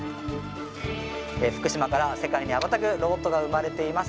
福島から世界に羽ばたくロボットが生まれています。